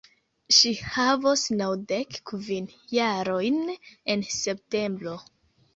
Ŝi havos naŭdek kvin jarojn en septembro.